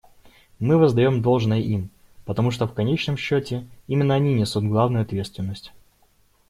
Мы воздаем должное им, потому что в конечном счете именно они несут главную ответственность.